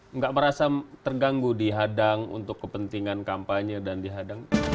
tidak merasa terganggu di hadang untuk kepentingan kampanye dan di hadang